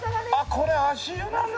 これ足湯なんだ。